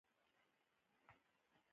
کانت وویل راځه په ایټالوي به خبرې سره کوو.